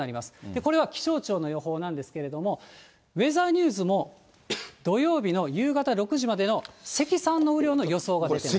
これは気象庁の予報なんですけれども、ウェザーニューズも、土曜日の夕方６時までの積算の雨量の予想が出ています。